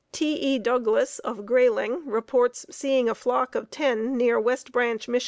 T. E. Douglas of Grayling reports seeing a flock of ten near West Branch, Mich.